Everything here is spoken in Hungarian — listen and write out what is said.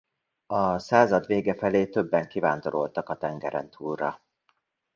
A század vége felé többen kivándoroltak a tengerentúlra.